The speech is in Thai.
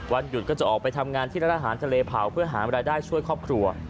หยุดก็จะออกไปทำงานที่ร้านอาหารทะเลเผาเพื่อหารายได้ช่วยครอบครัว